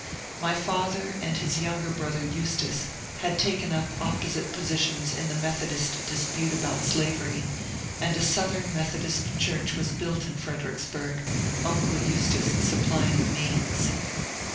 My father and his younger brother Eustace had taken up opposite positions in the Methodist dispute about 'slavery, and a Southern Methodist church was built in Fredericksburg, uncle Eustace supplying the means..